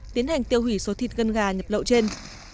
tiến hành tiêu hủy số thịt gân gà nhập lậu trên